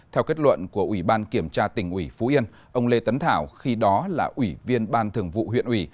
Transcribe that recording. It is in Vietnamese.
theo kết luận của ủy ban kiểm tra tỉnh ủy phú yên ông lê tấn thảo khi đó là ủy viên ban thường vụ huyện ủy